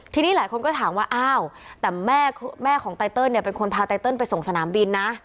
ทีนี้หลายคนก็ถามว่าอ้าวแต่แม่ของไตเติลเนี่ยเป็นคนพาไตเติลไปส่งสนามบินนะ